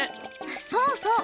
そうそう！